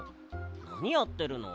なにやってるの？